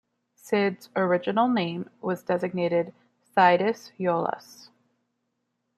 Sid's original name was designated Cydus Yolas.